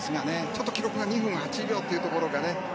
ちょっと記録が２分８秒というところがね。